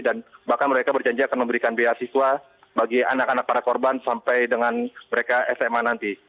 dan bahkan mereka berjanji akan memberikan biaya siswa bagi anak anak para korban sampai dengan mereka sma nanti